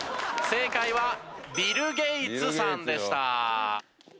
正解はビル・ゲイツさんでした。